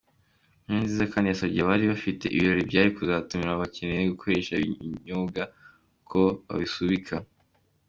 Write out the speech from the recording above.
Nkurunziza kandi yasabye abari bafite ibirori byari kuzatuma bakenera gukoresha ibi binyobwa, ko babisubika.